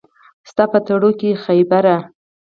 ستا په تړو کښې خېبره